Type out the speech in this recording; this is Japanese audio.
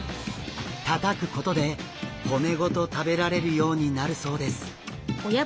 たたくことで骨ごと食べられるようになるそうです。